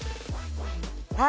はい！